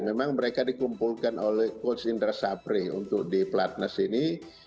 memang mereka dikumpulkan oleh coach indra sapri untuk di platnas ini